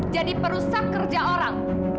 jadi perusaha kerja orang